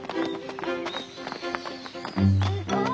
すごい！